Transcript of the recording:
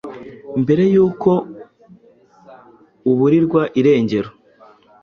mbere y'uko aburirwa irengero